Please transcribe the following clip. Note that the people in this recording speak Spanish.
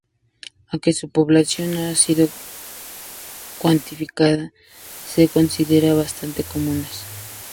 Aunque su población no ha sido cuantificada se consideran bastante comunes.